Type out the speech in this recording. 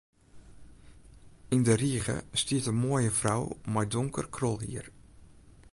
Yn de rige stiet in moaie frou mei donker krolhier.